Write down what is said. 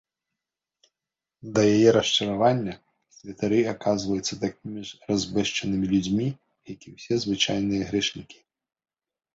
Да яе расчаравання, святары аказваюцца такімі ж разбэшчанымі людзьмі як і ўсе звычайныя грэшнікі.